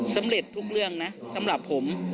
สำเร็จทุกเรื่องนะสำหรับผม